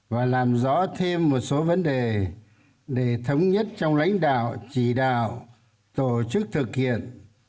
và làm rõ thêm một số vấn đề để thống nhất trong lãnh đạo chỉ đạo tổ chức thực hiện